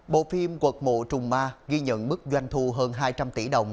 bộ phim quật mộ trùng ma ghi nhận mức doanh thu hơn hai trăm linh tỷ đồng